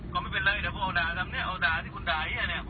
ก็ไม่เป็นไรเดี๋ยวพวกเอาด่าทำเนี่ยเอาด่าที่คุณด่าอย่างนี้เนี่ย